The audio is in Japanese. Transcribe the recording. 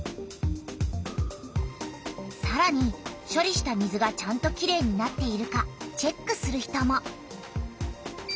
さらにしょりした水がちゃんときれいになっているかチェックする人も。